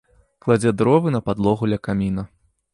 Кладзе дровы на падлогу ля каміна.